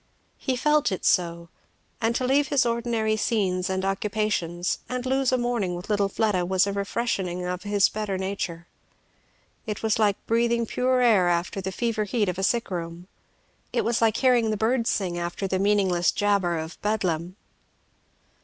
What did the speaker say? He felt it so; and to leave his ordinary scenes and occupations and lose a morning with little Fleda was a freshening of his better nature; it was like breathing pure air after the fever heat of a sick room; it was like hearing the birds sing after the meaningless jabber of Bedlam.